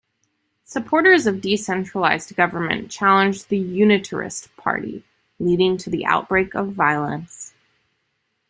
Supporters of decentralized government challenged the Unitarist Party, leading to the outbreak of violence.